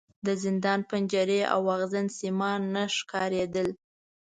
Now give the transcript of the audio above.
د زندان پنجرې او ازغن سیمان نه ښکارېدل.